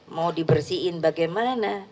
mau dibersihin bagaimana